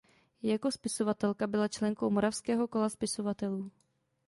Jako spisovatelka byla členkou Moravského kola spisovatelů.